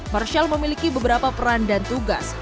marshal memiliki beberapa peran dan tugas